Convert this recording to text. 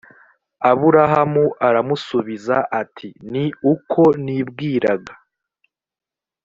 aburahamu aramusubiza ati ni uko nibwiraga